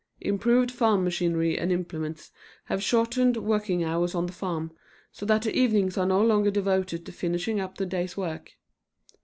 Improved farm machinery and implements have shortened working hours on the farm, so that the evenings are no longer devoted to finishing up the day's work.